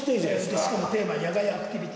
しかもテーマ野外アクティビティ